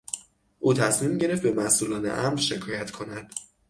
او تصمیم گرفت به مسئولان امر شکایت کند.